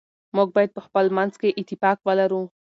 موږ باید په خپل منځ کي اتفاق ولرو.